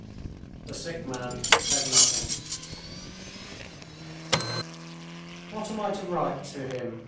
The sick man said nothing. "What am I to write to him?"